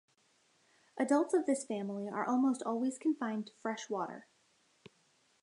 Adults of this family are almost always confined to fresh water.